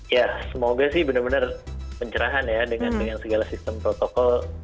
ya semoga sih benar benar pencerahan ya dengan segala sistem protokol